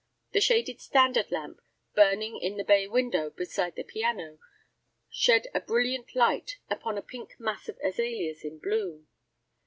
The shaded standard lamp, burning in the bay window beside the piano, shed a brilliant light upon a pink mass of azaleas in bloom.